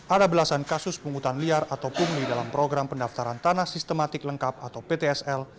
ada belasan kasus penghutan liar atau pungli dalam program pendaftaran tanah sistematik lengkap atau ptsl